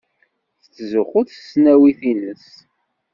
Tettzuxxu s tesnawit-nnes.